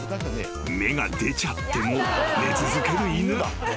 ［目が出ちゃっても寝続ける犬］